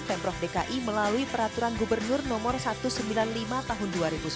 pemprov dki melalui peraturan gubernur no satu ratus sembilan puluh lima tahun dua ribu sembilan belas